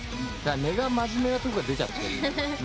根が真面目なとこが出ちゃってる。